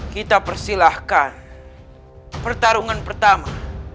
kita persilahkan pertarungan pertama